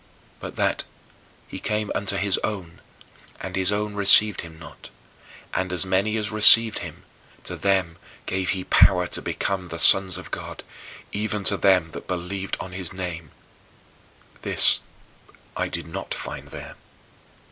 " But that "he came unto his own, and his own received him not. And as many as received him, to them gave he power to become the sons of God, even to them that believed on his name" this I did not find there.